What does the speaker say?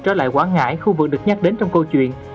trở lại quảng ngãi khu vực được nhắc đến trong câu chuyện